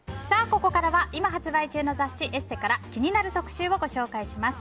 ここからは今発売中の雑誌「ＥＳＳＥ」から気になる特集をご紹介します。